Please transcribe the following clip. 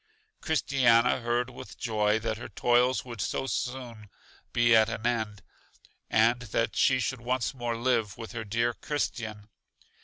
Christiana heard with joy that her toils would so soon he at an end, and that she should once more live with her dear Christian.